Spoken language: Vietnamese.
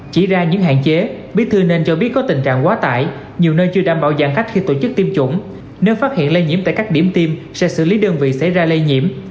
chỉ ra những hạn chế bí thư nên cho biết có tình trạng quá tải nhiều nơi chưa đảm bảo giãn cách khi tổ chức tiêm chủng nếu phát hiện lây nhiễm tại các điểm tiêm sẽ xử lý đơn vị xảy ra lây nhiễm